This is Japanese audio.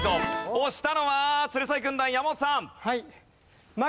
押したのは鶴崎軍団山本さん。